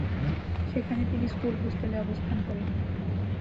সেখানে তিনি স্কুল হোস্টেলে অবস্থান করেন।